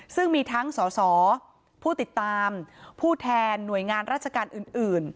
ซึ่งมีทั้งสสผู้ติดตามผู้แทนหน่วยงานราชการอื่น